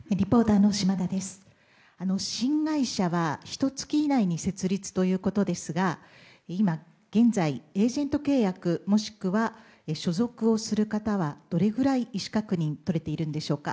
新会社はひと月以内に設立ということですが今現在、エージェント契約もしくは所属をする方はどれくらい意思確認がとれているんでしょうか。